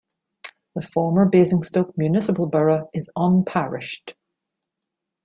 The former Basingstoke Municipal Borough is unparished.